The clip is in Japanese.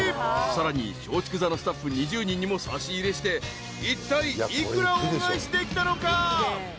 ［さらに松竹座のスタッフ２０人にも差し入れしていったい幾ら恩返しできたのか？］